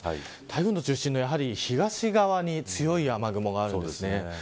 台風の中心の東側に強い雨雲があるんですね。